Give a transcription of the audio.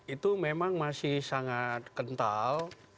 itu memang masih sangat kental